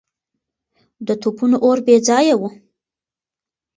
د توپونو اور بې ځایه و.